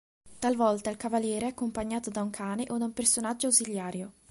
Talvolta, il cavaliere è accompagnato da un cane o da un personaggio ausiliario.